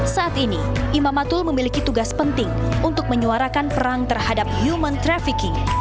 saat ini imam matul memiliki tugas penting untuk menyuarakan perang terhadap human trafficking